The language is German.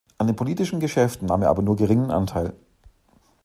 An den politischen Geschäften nahm er aber nur geringen Anteil.